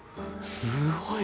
すごい！